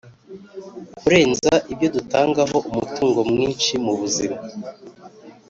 Kurenza ibyo dutangaho umutungo mwinshi mu buzima,